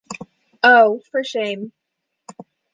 Oh, for shame!